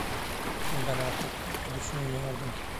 Ben artık böyle düşünmüyordum.